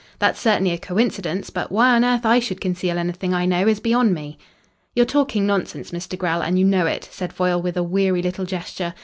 That's certainly a coincidence, but why on earth I should conceal anything I know is beyond me." "You're talking nonsense, Mr. Grell, and you know it," said Foyle, with a weary little gesture.